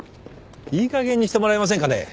いいかげんにしてもらえませんかね。